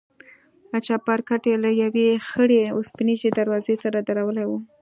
چپرکټ يې له يوې خړې وسپنيزې دروازې سره درولى و.